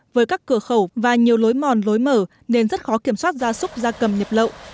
với các cửa khẩu và nhiều lối mòn lối mở nên rất khó kiểm soát gia súc gia cầm nhập lậu